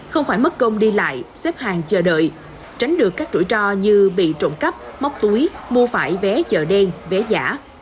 không phải mất công đi lại xếp hàng chờ đợi tránh được các rủi ro như bị trộn cắp móc túi mua phải vé chờ đen vé giả